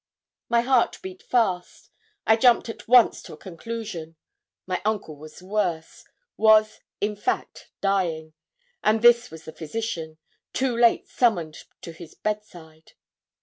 My heart beat fast. I jumped at once to a conclusion. My uncle was worse was, in fact, dying; and this was the physician, too late summoned to his bedside.